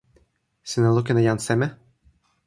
sina lukin e jan seme?